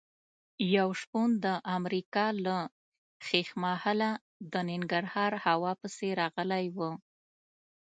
یو شپون د امریکا له ښیښ محله د ننګرهار هوا پسې راغلی و.